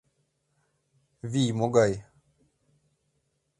Вий могай?